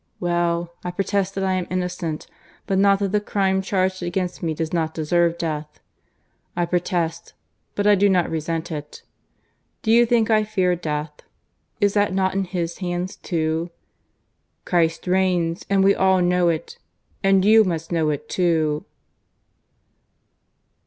Well, I protest that I am innocent, but not that the crime charged against me does not deserve death. I protest, but I do not resent it. Do you think I fear death? .. Is that not in His hands too? ... Christ reigns, and we all know it. And you must know it too!"